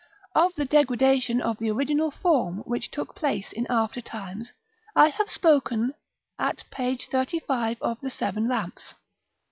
Of the degradations of the original form which took place in after times, I have spoken at p. 35 of the "Seven Lamps."